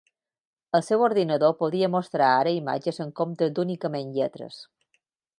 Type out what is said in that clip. El seu ordinador podia mostrar ara imatges en comptes d'únicament lletres.